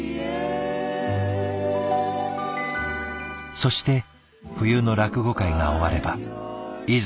そして冬の落語会が終わればいざ